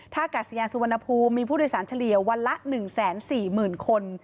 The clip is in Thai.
กาศยานสุวรรณภูมิมีผู้โดยสารเฉลี่ยวันละ๑๔๐๐๐คน